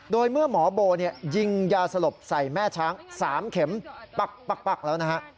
โดยเมื่อหมอโบยิงยาสลบใส่แม่ช้าง๓เข็มปักแล้วนะฮะ